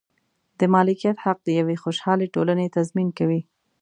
د مالکیت حق د یوې خوشحالې ټولنې تضمین کوي.